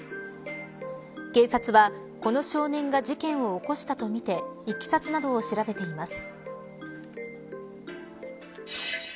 警察は、この少年が事件を起こしたとみていきさつなどを調べています。